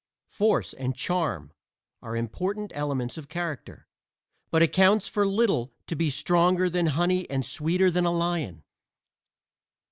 Force and charm are important elements of character, but it counts for little to be stronger than honey and sweeter than a lion.